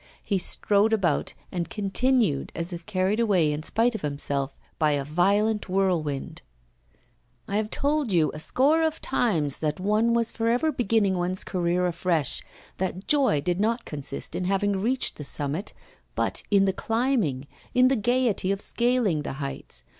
He strode about, and continued, as if carried away, in spite of himself, by a violent whirlwind: 'I have told you a score of times that one was for ever beginning one's career afresh, that joy did not consist in having reached the summit, but in the climbing, in the gaiety of scaling the heights.